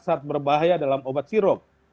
saat berbahaya dalam obat sirop